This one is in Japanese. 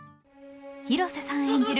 広瀬さん演じる